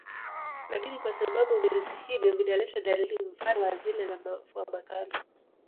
Lakini kwa sababu virusi hivyo vinaleta dalili mfano wa zile za mafua makali